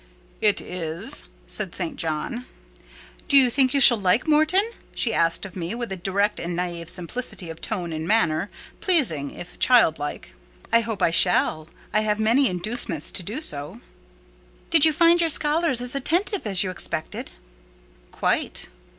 "It is," said St. John. "Do you think you shall like Morton?" she asked of me, with a direct and naïve simplicity of tone and manner, pleasing, if child like. "I hope I shall. I have many inducements to do so." "Did you find your scholars as attentive as you expected?" "Quite."